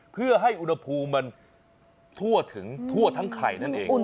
เพื่อให้อุณหภูมิมันทั่วถึงทั่วทั้งไข่นั่นเอง